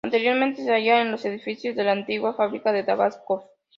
Anteriormente se hallaba en los edificios de la antigua Fábrica de Tabacos.